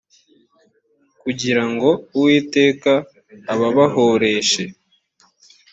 kugira ngo uwiteka ababahoreshe